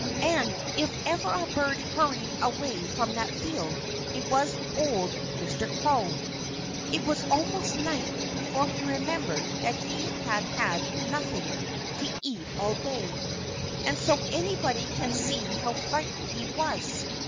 And if ever a bird hurried away from that field, it was old Mr. Crow. It was almost night before he remembered that he had had nothing to eat all day. And so anybody can see how frightened he was....